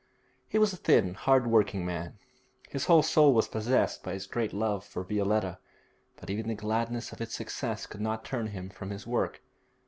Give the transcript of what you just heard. He was a thin, hard working man. His whole soul was possessed by his great love for Violetta, but even the gladness of its success could not turn him from his work.